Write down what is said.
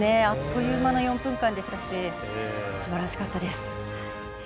あっという間の４分間でしたしすばらしかったです。